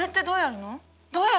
どうやるの？